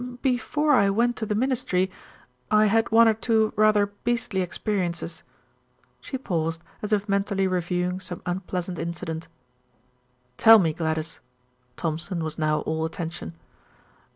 "Before I went to the Ministry I had one or two rather beastly experiences." She paused as if mentally reviewing some unpleasant incident. "Tell me, Gladys." Thompson was now all attention.